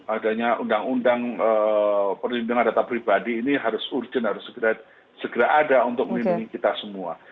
adanya undang undang perlindungan data pribadi ini harus urgent harus segera ada untuk melindungi kita semua